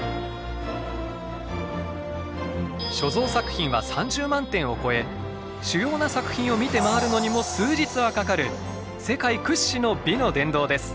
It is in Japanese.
所蔵作品は３０万点を超え主要な作品を見て回るのにも数日はかかる世界屈指の美の殿堂です。